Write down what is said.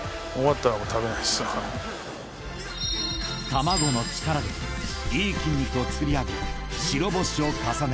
［卵の力でいい筋肉をつくり上げ白星を重ねる］